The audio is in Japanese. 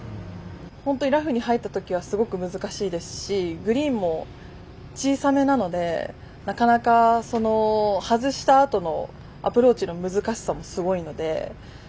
本当にラフに入ったときはすごく難しいですしグリーンも小さめなのでなかなか、外したあとのアプローチの難しさもすごいので。